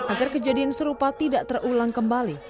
agar kejadian serupa tidak terulang kembali